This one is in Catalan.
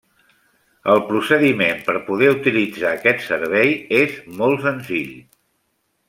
El procediment per poder utilitzar aquest servei és molt senzill.